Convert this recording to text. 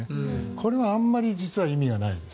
これはあんまり実は意味がないです。